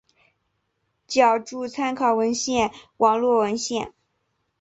脚注参考文献网络文献